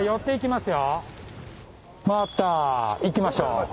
回ったいきましょう。